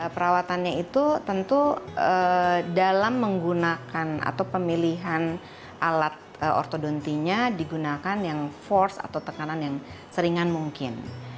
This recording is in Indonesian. perawatannya itu tentu dalam menggunakan atau pemilihan alat ortodontinya digunakan yang force atau tekanan yang seringan mungkin